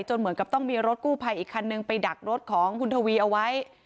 เหมือนกับต้องมีรถกู้ภัยอีกคันนึงไปดักรถของคุณทวีเอาไว้